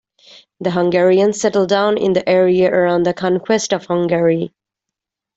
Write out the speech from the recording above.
The Hungarians settled down in the area around the Conquest of Hungary.